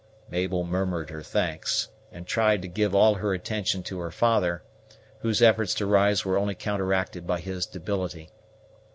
Mabel murmured her thanks, and tried to give all her attention to her father, whose efforts to rise were only counteracted by his debility.